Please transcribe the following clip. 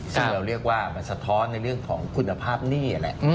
ซึ่งเราเรียกว่ามันสะท้อนในเรื่องของคุณภาพหนี้แหละ